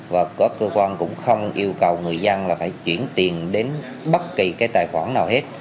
và có cơ quan cũng không yêu cầu người dân là phải chuyển tiền đến bất kỳ cái tài khoản nào hết